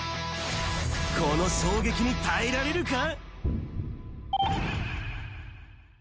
この衝撃に耐えられるか。